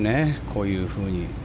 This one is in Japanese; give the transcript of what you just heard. こういうふうに。